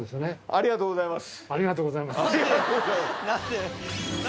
ありがとうございます！